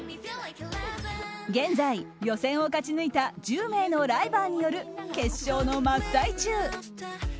現在、予選を勝ち抜いた１０名のライバーによる決勝の真っ最中。